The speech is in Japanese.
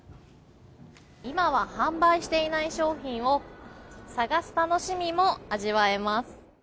今は販売していない商品を探す楽しみも味わえます。